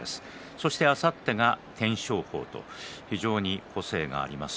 そしてあさってが天照鵬、非常に個性があります。